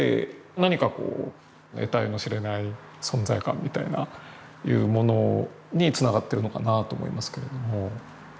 何かこう得体の知れない存在感みたいないうものにつながってるのかなと思いますけれども。